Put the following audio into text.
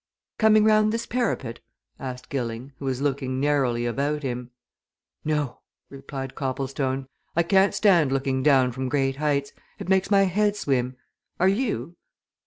"Coming round this parapet?" asked Gilling, who was looking narrowly about him. "No!" replied Copplestone. "I can't stand looking down from great heights. It makes my head swim. Are you?"